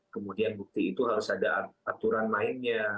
kemudian bukti itu harus ada aturan lainnya